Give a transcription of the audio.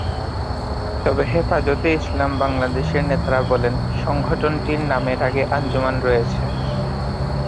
তবে হেফাজতে ইসলাম বাংলাদেশের নেতারা বলেন, সংগঠনটির নামের আগে আঞ্জুমান রয়েছে।